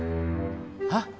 kalau saya doa